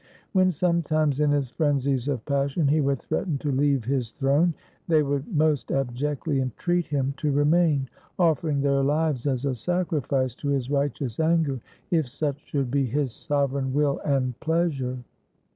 When sometimes, in his frenzies of passion, he would threaten to leave his throne, they would most abjectly entreat him to remain, offering their lives as a sacrifice to his righteous anger, if such should be his sovereign will and pleasure.